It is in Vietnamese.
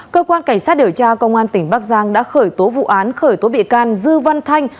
cơ quan cảnh sát điều tra công an tỉnh bắc giang đã khởi tố vụ án khởi tố bị can dư văn thanh